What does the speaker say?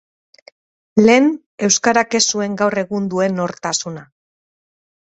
Lehen, euskarak ez zuen gaur egun duen nortasuna.